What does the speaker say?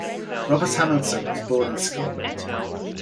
Robert Hamilton was born in Scotland.